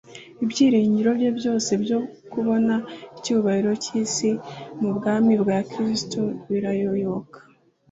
Ibyiringiro bye byose byo kubona icyubahiro cy'isi mu bwami bwa Kristo birayoyoka.